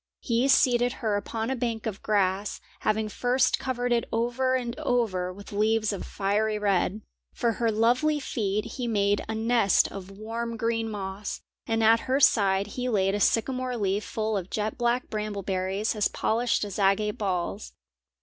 He seated her upon a bank of grass, having first covered it over and over with leaves of fiery red. For her lovely feet he made a nest of warm green moss, and at her side he laid a sycamore leaf full of jet black bramble berries as polished as agate balls.